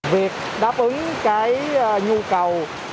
việc đáp ứng cái nhu cầu lưu thông của các đơn vị vận tải